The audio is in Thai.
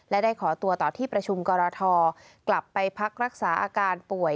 และได้ขอตัวต่อที่ประชุมกรทกลับไปพักรักษาอาการป่วย